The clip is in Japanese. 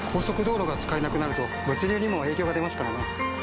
速道路が使えなくなると物流にも影響が出ますからね。